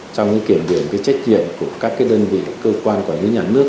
trong kiểm biệt trách nhiệm của các đơn vị cơ quan của những nhà nước